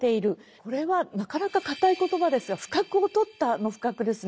これはなかなか堅い言葉ですが「不覚を取った」の「不覚」ですね。